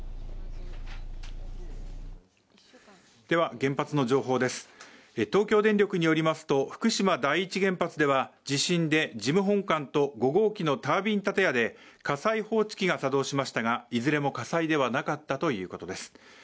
では、原発の情報です東京電力によりますと、福島第１原発では地震で、事務本館と５号機のタービン建屋で火災報知器が作動しましたが、いずれも火災ではなかったということです。